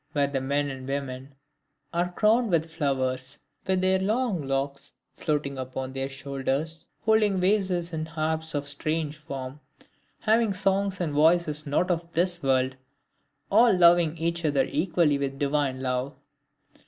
where the men and women are crowned with flowers, with their long locks floating upon their shoulders... holding vases and harps of a strange form... having songs and voices not of this world... all loving each other equally with a divine love...